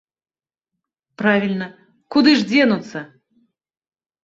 Правільна, куды ж дзенуцца?